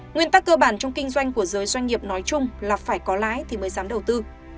nguyên tắc cơ bản trong kinh doanh của giới doanh nghiệp nói chung là phải có lái thì mới dám đầu tư